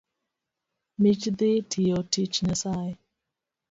Mich dhi tiyo tich Nyasaye